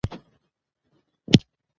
ملالۍ یاده کړه.